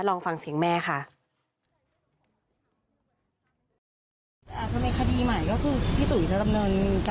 ลองฟังเสียงแม่ค่ะ